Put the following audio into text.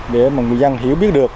để người dân hiểu biết được